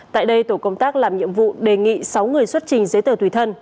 tại đây tổ công tác làm nhiệm vụ đề nghị sáu người xuất trình giấy tờ tùy thân